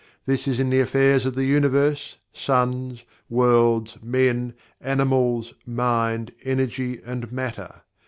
This is in the affairs of the Universe, suns, worlds, men, animals, mind, energy, and matter.